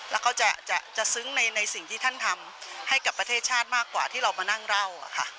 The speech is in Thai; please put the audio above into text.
แล้วเขาจะซึ้งในสิ่งที่ท่านทำให้กับประเทศชาติมากกว่าที่เรามานั่งเล่า